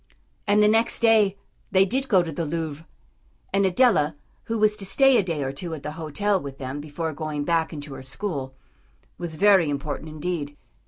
And the next day they did go to the Louvre. And Adela, who was to stay a day or two at the hotel with them before going back into her school, was very important, indeed.